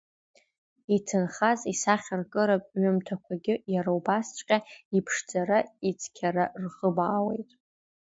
Иҭынхаз исахьаркыратә ҩымҭақәагьы иара убасҵәҟьа, иԥшӡара, ицқьара рхубаауеит.